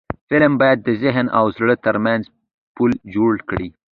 فلم باید د ذهن او زړه ترمنځ پل جوړ کړي